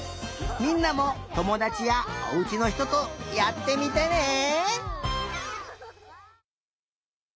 みんなもともだちやおうちのひととやってみてね！